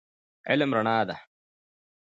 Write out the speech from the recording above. علم رڼا ده